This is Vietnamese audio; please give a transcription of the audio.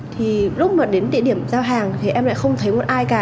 thì lúc mà đến địa điểm giao hàng thì em lại không thấy một ai cả